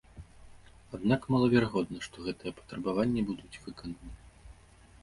Аднак малаверагодна, што гэтыя патрабаванні будуць выкананы.